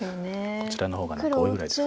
こちらの方が何か多いぐらいです。